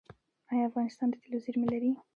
آیا افغانستان د تیلو زیرمې لري؟